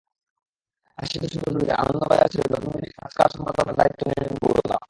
আশির দশকের শুরুতে আনন্দবাজার ছেড়ে নতুন দৈনিক আজকাল সম্পাদনার দায়িত্ব নিলেন গৌরদা।